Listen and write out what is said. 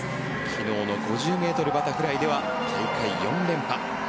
昨日の５０ｍバタフライでは大会４連覇。